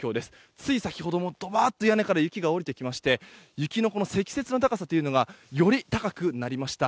つい先ほどもどばっと屋根から雪が下りてきまして雪の積雪の高さというのがより高くなりました。